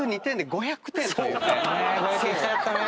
５００いきたかったねぇ。